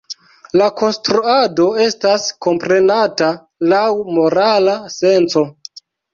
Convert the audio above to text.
La konstruado estas komprenata laŭ morala senco.